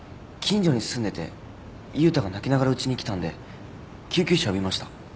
近所に住んでて雄太が泣きながらうちに来たんで救急車呼びました。